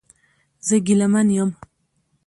زه ګیلمن یم